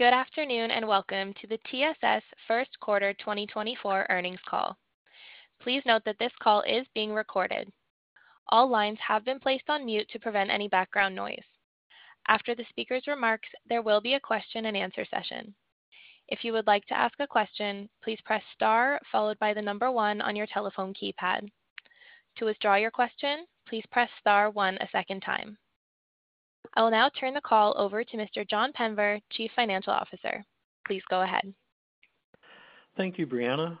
Good afternoon, and welcome to the TSS first quarter 2024 earnings call. Please note that this call is being recorded. All lines have been placed on mute to prevent any background noise. After the speaker's remarks, there will be a question-and-answer session. If you would like to ask a question, please press star followed by the number one on your telephone keypad. To withdraw your question, please press star one a second time. I will now turn the call over to Mr. John Penver, Chief Financial Officer. Please go ahead. Thank you, Brianna.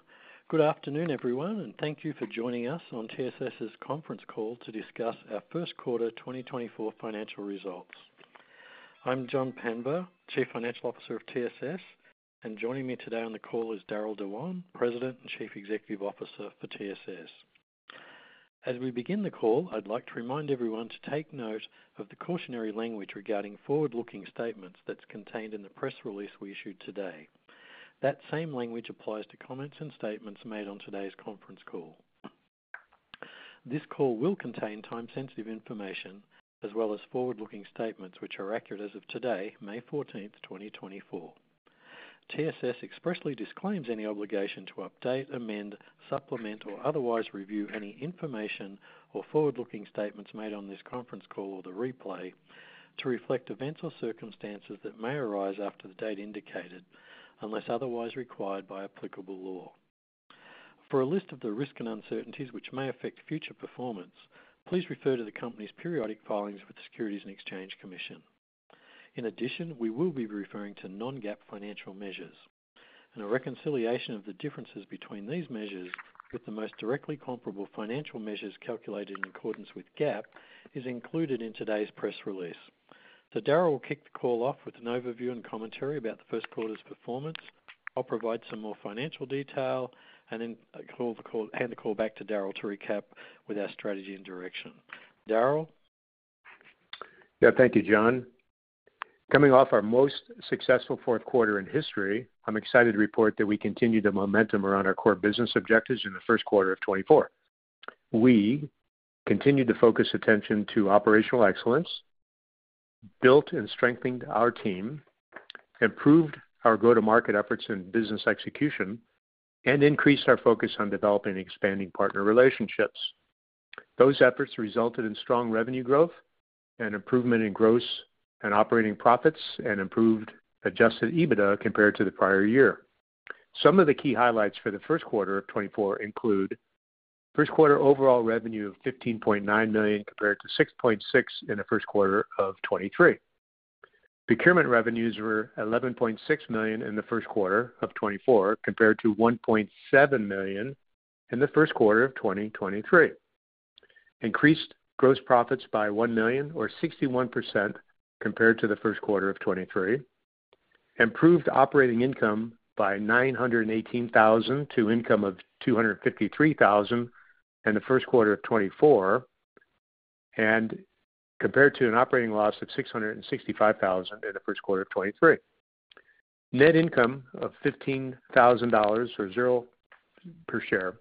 Good afternoon, everyone, and thank you for joining us on TSS's conference call to discuss our first quarter 2024 financial results. I'm John Penver, Chief Financial Officer of TSS, and joining me today on the call is Darryl Dewan, President and Chief Executive Officer for TSS. As we begin the call, I'd like to remind everyone to take note of the cautionary language regarding forward-looking statements that's contained in the press release we issued today. That same language applies to comments and statements made on today's conference call. This call will contain time-sensitive information as well as forward-looking statements, which are accurate as of today, May 14th, 2024. TSS expressly disclaims any obligation to update, amend, supplement, or otherwise review any information or forward-looking statements made on this conference call or the replay to reflect events or circumstances that may arise after the date indicated, unless otherwise required by applicable law. For a list of the risks and uncertainties which may affect future performance, please refer to the company's periodic filings with the Securities and Exchange Commission. In addition, we will be referring to Non-GAAP financial measures, and a reconciliation of the differences between these measures with the most directly comparable financial measures calculated in accordance with GAAP is included in today's press release. So Darryl will kick the call off with an overview and commentary about the first quarter's performance. I'll provide some more financial detail and then hand the call back to Darryll to recap with our strategy and direction. Darryl? Yeah, thank you, John. Coming off our most successful fourth quarter in history, I'm excited to report that we continued the momentum around our core business objectives in the first quarter of 2024. We continued to focus attention to operational excellence, built and strengthened our team, improved our go-to-market efforts and business execution, and increased our focus on developing and expanding partner relationships. Those efforts resulted in strong revenue growth and improvement in gross and operating profits and improved Adjusted EBITDA compared to the prior year. Some of the key highlights for the first quarter of 2024 include first quarter overall revenue of $15.9 million, compared to $6.6 million in the first quarter of 2023. Procurement revenues were $11.6 million in the first quarter of 2024, compared to $1.7 million in the first quarter of 2023. Increased gross profits by $1 million, or 61% compared to the first quarter of 2023. Improved operating income by $918,000-income of $253,000 in the first quarter of 2024, and compared to an operating loss of $665,000 in the first quarter of 2023. Net income of $15,000, or $0 per share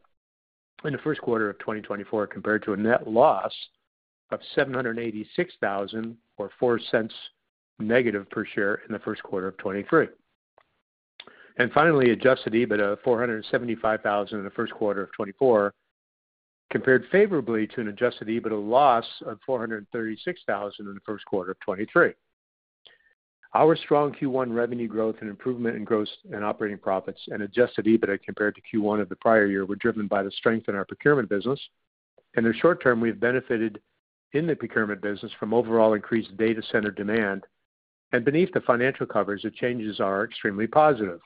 in the first quarter of 2024, compared to a net loss of $786,000, or -$0.04 per share in the first quarter of 2023. And finally, Adjusted EBITDA of $475,000 in the first quarter of 2024, compared favorably to an Adjusted EBITDA loss of $436,000 in the first quarter of 2023. Our strong Q1 revenue growth and improvement in gross and operating profits and Adjusted EBITDA compared to Q1 of the prior year were driven by the strength in our procurement business. In the short term, we have benefited in the procurement business from overall increased data center demand. Beneath the financial covers, the changes are extremely positive.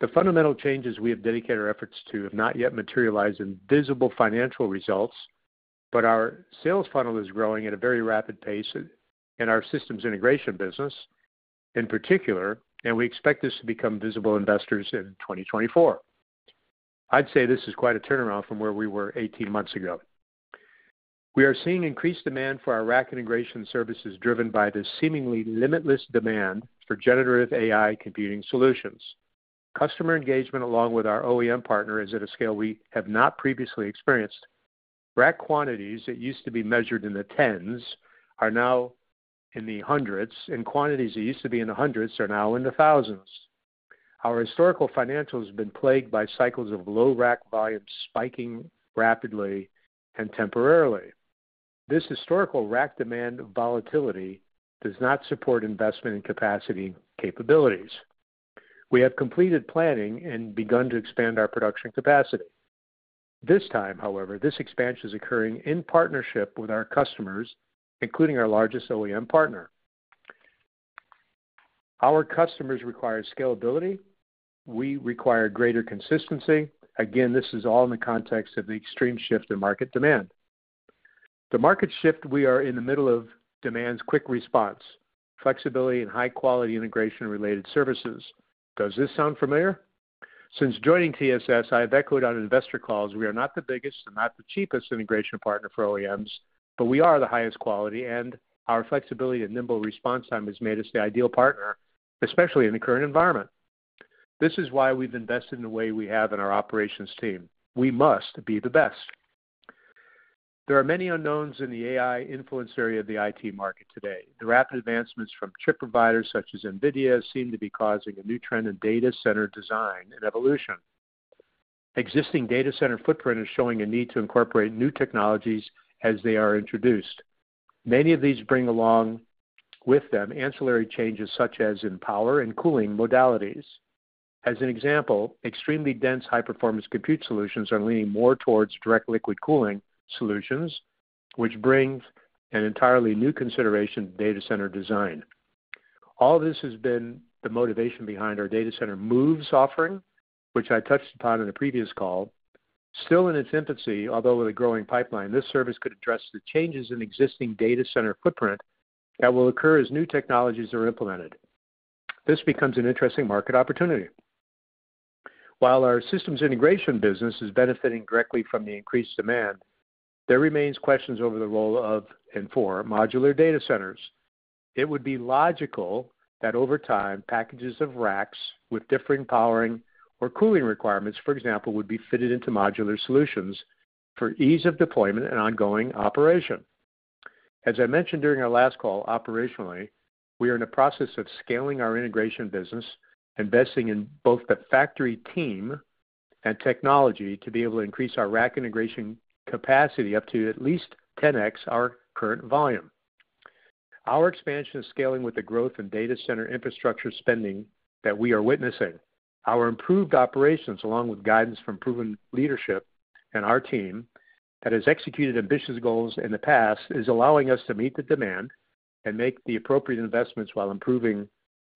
The fundamental changes we have dedicated our efforts to have not yet materialized in visible financial results, but our sales funnel is growing at a very rapid pace in our systems integration business in particular, and we expect this to become visible investors in 2024. I'd say this is quite a turnaround from where we were 18 months ago. We are seeing increased demand for our rack integration services, driven by the seemingly limitless demand for Generative AI computing solutions. Customer engagement, along with our OEM partner, is at a scale we have not previously experienced. Rack quantities that used to be measured in the tens are now in the hundreds, and quantities that used to be in the hundreds are now in the thousands. Our historical financial has been plagued by cycles of low rack volumes spiking rapidly and temporarily. This historical rack demand volatility does not support investment in capacity capabilities. We have completed planning and begun to expand our production capacity. This time, however, this expansion is occurring in partnership with our customers, including our largest OEM partner. Our customers require scalability. We require greater consistency. Again, this is all in the context of the extreme shift in market demand. The market shift we are in the middle of demands quick response, flexibility, and high-quality integration-related services. Does this sound familiar? Since joining TSS, I have echoed on investor calls we are not the biggest and not the cheapest integration partner for OEMs, but we are the highest quality, and our flexibility and nimble response time has made us the ideal partner, especially in the current environment. This is why we've invested in the way we have in our operations team. We must be the best.... There are many unknowns in the AI influence area of the IT market today. The rapid advancements from chip providers such as NVIDIA seem to be causing a new trend in data center design and evolution. Existing data center footprint is showing a need to incorporate new technologies as they are introduced. Many of these bring along with them ancillary changes, such as in power and cooling modalities. As an example, extremely dense, high performance compute solutions are leaning more towards direct liquid cooling solutions, which brings an entirely new consideration to data center design. All this has been the motivation behind our Data Center Moves offering, which I touched upon in a previous call. Still in its infancy, although with a growing pipeline, this service could address the changes in existing data center footprint that will occur as new technologies are implemented. This becomes an interesting market opportunity. While our systems integration business is benefiting directly from the increased demand, there remains questions over the role of and for modular data centers. It would be logical that over time, packages of racks with differing powering or cooling requirements, for example, would be fitted into modular solutions for ease of deployment and ongoing operation. As I mentioned during our last call, operationally, we are in the process of scaling our integration business, investing in both the factory team and technology to be able to increase our rack Integration capacity up to at least 10x our current volume. Our expansion is scaling with the growth in data center infrastructure spending that we are witnessing. Our improved operations, along with guidance from proven leadership and our team that has executed ambitious goals in the past, is allowing us to meet the demand and make the appropriate investments while improving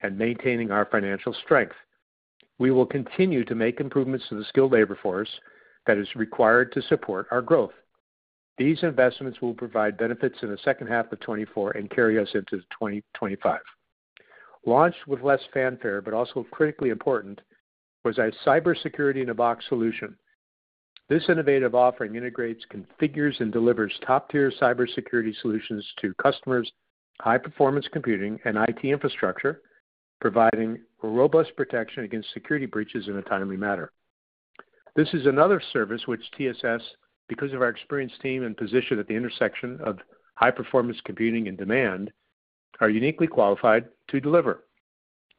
and maintaining our financial strength. We will continue to make improvements to the skilled labor force that is required to support our growth. These investments will provide benefits in the second half of 2024 and carry us into 2025. Launched with less fanfare, but also critically important, was our Cybersecurity in a Box solution. This innovative offering integrates, configures, and delivers top-tier cybersecurity solutions to customers, high performance computing and IT infrastructure, providing robust protection against security breaches in a timely manner. This is another service which TSS, because of our experienced team and position at the intersection of high performance computing and demand, are uniquely qualified to deliver.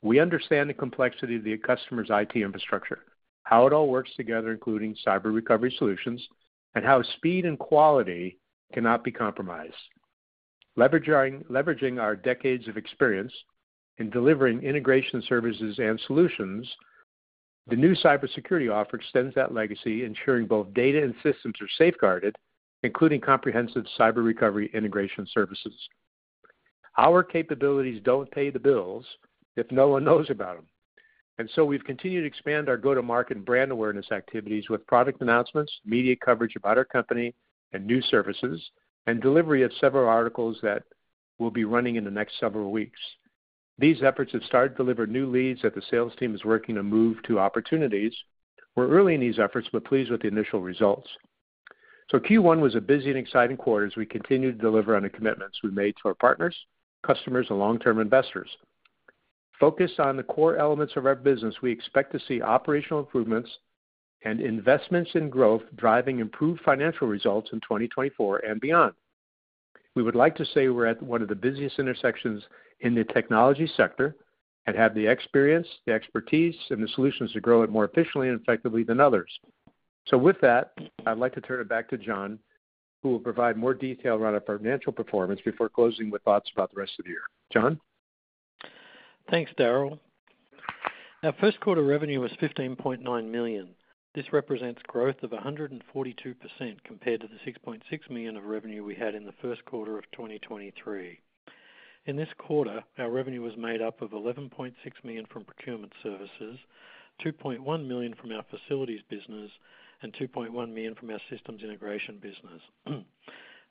We understand the complexity of the customer's IT infrastructure, how it all works together, including cyber recovery solutions, and how speed and quality cannot be compromised. Leveraging our decades of experience in delivering integration services and solutions, the new cybersecurity offer extends that legacy, ensuring both data and systems are safeguarded, including comprehensive cyber recovery integration services. Our capabilities don't pay the bills if no one knows about them, and so we've continued to expand our go-to-market brand awareness activities with product announcements, media coverage about our company and new services, and delivery of several articles that will be running in the next several weeks. These efforts have started to deliver new leads that the sales team is working to move to opportunities. We're early in these efforts, but pleased with the initial results. Q1 was a busy and exciting quarter as we continued to deliver on the commitments we made to our partners, customers, and long-term investors. Focused on the core elements of our business, we expect to see operational improvements and investments in growth, driving improved financial results in 2024 and beyond. We would like to say we're at one of the busiest intersections in the technology sector and have the experience, the expertise, and the solutions to grow it more efficiently and effectively than others. So with that, I'd like to turn it back to John, who will provide more detail around our financial performance before closing with thoughts about the rest of the year. John? Thanks, Darryl. Our first quarter revenue was $15.9 million. This represents growth of 142% compared to the $6.6 million of revenue we had in the first quarter of 2023. In this quarter, our revenue was made up of $11.6 million from procurement services, $2.1 million from our facilities business, and $2.1 million from our systems integration business.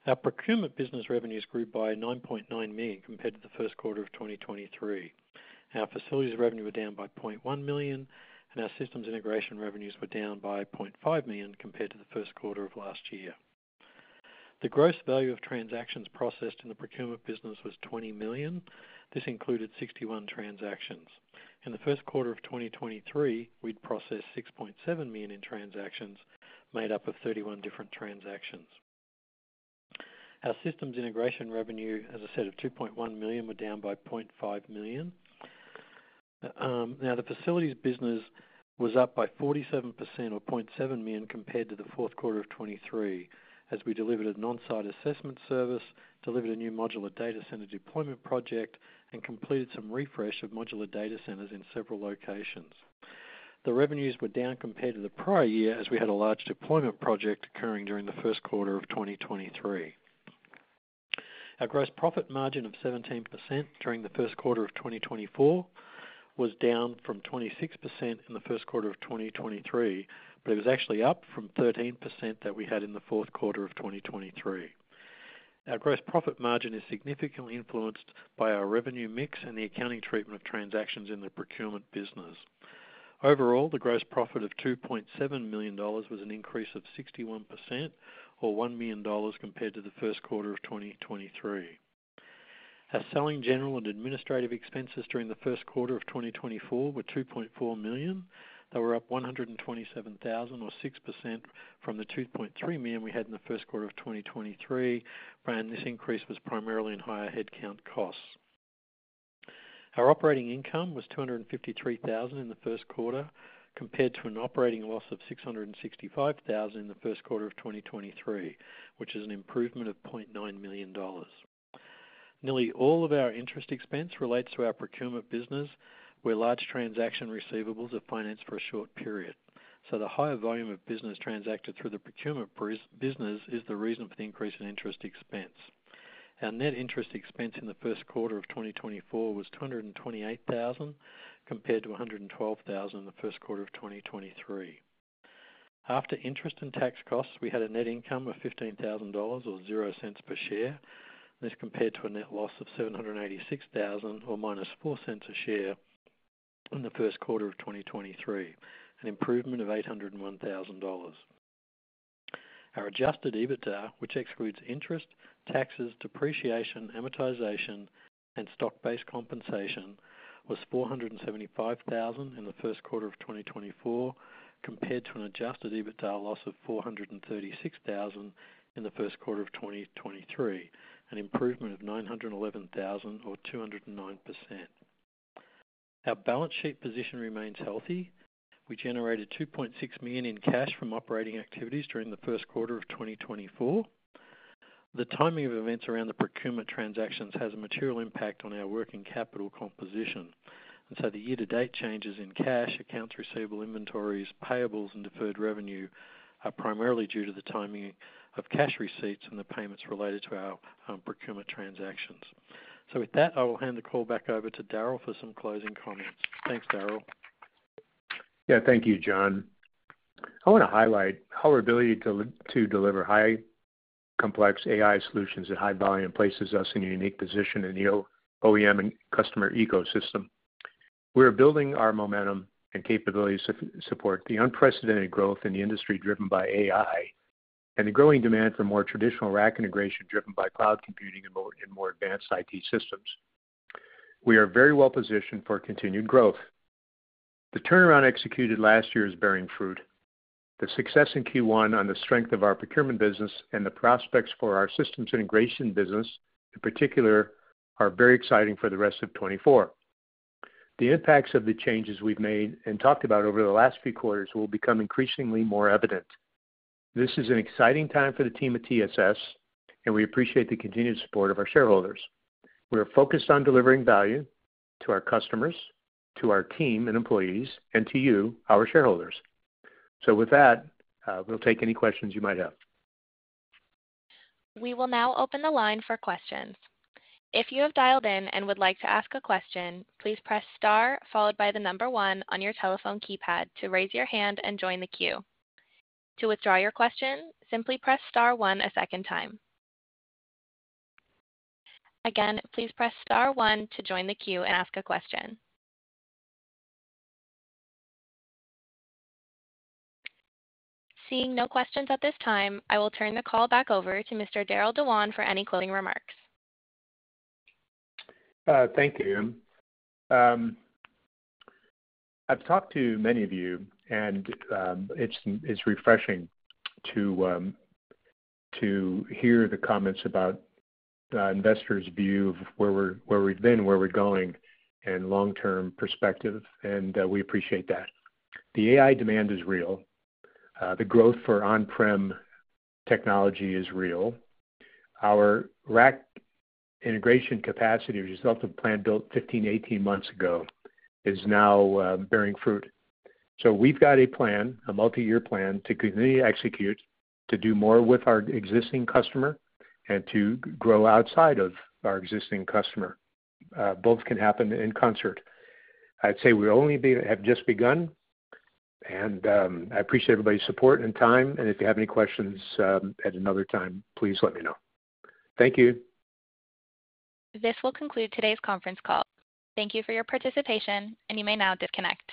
Our procurement business revenues grew by $9.9 million compared to the first quarter of 2023. Our facilities revenue were down by $0.1 million, and our systems integration revenues were down by $0.5 million compared to the first quarter of last year. The gross value of transactions processed in the procurement business was $20 million. This included 61 transactions. In the first quarter of 2023, we'd processed $6.7 million in transactions made up of 31 different transactions. Our systems integration revenue, as I said, of $2.1 million, were down by $0.5 million. Now, the facilities business was up by 47% or $0.7 million compared to the fourth quarter of 2023, as we delivered an on-site assessment service, delivered a new modular data center deployment project, and completed some refresh of modular data centers in several locations. The revenues were down compared to the prior year as we had a large deployment project occurring during the first quarter of 2023. Our gross profit margin of 17% during the first quarter of 2024 was down from 26% in the first quarter of 2023, but it was actually up from 13% that we had in the fourth quarter of 2023. Our gross profit margin is significantly influenced by our revenue mix and the accounting treatment of transactions in the procurement business. Overall, the gross profit of $2.7 million was an increase of 61% or $1 million compared to the first quarter of 2023. Our selling general and administrative expenses during the first quarter of 2024 were $2.4 million. They were up $127,000, or 6%, from the $2.3 million we had in the first quarter of 2023, and this increase was primarily in higher headcount costs. Our operating income was $253,000 in the first quarter, compared to an operating loss of $665,000 in the first quarter of 2023, which is an improvement of $0.9 million. Nearly all of our interest expense relates to our procurement business, where large transaction receivables are financed for a short period. So the higher volume of business transacted through the procurement business is the reason for the increase in interest expense. Our net interest expense in the first quarter of 2024 was $228,000, compared to $112,000 in the first quarter of 2023. After interest and tax costs, we had a net income of $15,000, or 0 cents per share. This compared to a net loss of $786,000, or -$0.04 per share, in the first quarter of 2023, an improvement of $801,000. Our adjusted EBITDA, which excludes interest, taxes, depreciation, amortization, and stock-based compensation, was $475,000 in the first quarter of 2024, compared to an adjusted EBITDA loss of $436,000 in the first quarter of 2023, an improvement of $911,000, or 209%. Our balance sheet position remains healthy. We generated $2.6 million in cash from operating activities during the first quarter of 2024. The timing of events around the procurement transactions has a material impact on our working capital composition. And so the year-to-date changes in cash, accounts receivable, inventories, payables, and deferred revenue are primarily due to the timing of cash receipts and the payments related to our procurement transactions. So with that, I will hand the call back over to Darryl for some closing comments. Thanks, Darryl. Yeah, thank you, John. I want to highlight how our ability to, to deliver high complex AI solutions at high volume places us in a unique position in the OEM and customer ecosystem. We are building our momentum and capabilities to support the unprecedented growth in the industry, driven by AI, and the growing demand for more traditional rack integration, driven by cloud computing and more, and more advanced IT systems. We are very well positioned for continued growth. The turnaround executed last year is bearing fruit. The success in Q1 on the strength of our procurement business and the prospects for our systems integration business, in particular, are very exciting for the rest of 2024. The impacts of the changes we've made and talked about over the last few quarters will become increasingly more evident. This is an exciting time for the team at TSS, and we appreciate the continued support of our shareholders. We are focused on delivering value to our customers, to our team and employees, and to you, our shareholders. So with that, we'll take any questions you might have. We will now open the line for questions. If you have dialed in and would like to ask a question, please press Star followed by the number one on your telephone keypad to raise your hand and join the queue. To withdraw your question, simply press Star one a second time. Again, please press Star one to join the queue and ask a question. Seeing no questions at this time, I will turn the call back over to Mr. Darryl Dewan for any closing remarks. Thank you. I've talked to many of you, and it's refreshing to hear the comments about the investors' view of where we've been, where we're going, and long-term perspective, and we appreciate that. The AI demand is real. The growth for on-prem technology is real. Our rack integration capacity, which is off the plan built 15, 18 months ago, is now bearing fruit. So we've got a plan, a multi-year plan, to continue to execute, to do more with our existing customer and to grow outside of our existing customer. Both can happen in concert. I'd say we only have just begun, and I appreciate everybody's support and time. And if you have any questions at another time, please let me know. Thank you. This will conclude today's conference call. Thank you for your participation, and you may now disconnect.